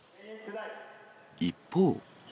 一方。